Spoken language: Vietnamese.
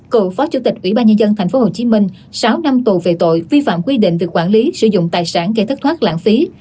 cựu phó chủ tịch ủy ban nhân dân tp hcm sáu năm tù về tội vi phạm quy định về quản lý sử dụng tài sản gây thất thoát lãng phí